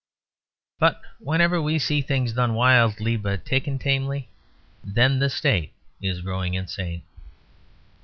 But whenever we see things done wildly, but taken tamely, then the State is growing insane.